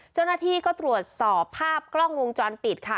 เจ้าหน้าที่ก็ตรวจสอบภาพกล้องวงจรปิดค่ะ